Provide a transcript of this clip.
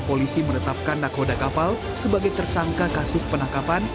polisi menetapkan nakoda kapal sebagai tersangka kasus penangkapan